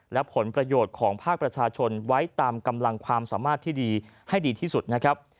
และผลประโยชน์ของภาคประชาชนไว้ตามกำลังความสามารถที่ดีให้ดีที่สุดนะครับ